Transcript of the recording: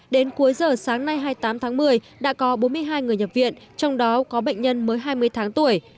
đến cuối giờ sáng nay hai mươi tám tháng một mươi đã có bốn mươi hai người nhập viện trong đó có bệnh nhân mới hai mươi tháng tuổi